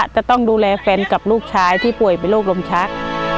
จะต้องดูแลแฟนกับลูกชายที่ป่วยเป็นโรคลมชัก